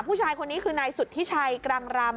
ผู้ชายคนนี้คือนายสุธิชัยกรังรำ